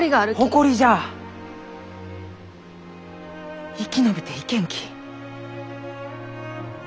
誇りじゃ生き延びていけんき。